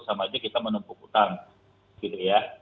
sama aja kita menumpuk utang gitu ya